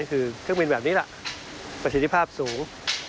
คือเครื่องบินแบบนี้ล่ะประสิทธิภาพสูง